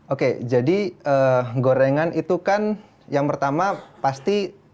oke jadi gorengan itu kan yang pertama pasti